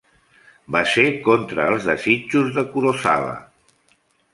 Va ser contra els desitjos de Kurosawa.